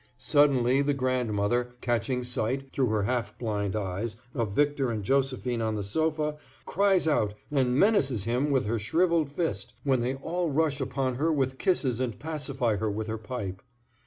Suddenly the grandmother, catching sight, through her half blind eyes, of Victor and Josephine on the sofa, cries out and menaces him with her shrivelled fist, when they all rush upon her with kisses and pacify her with her pipe.